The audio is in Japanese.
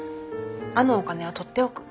あのお金は取っておく。